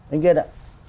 anh viên ạ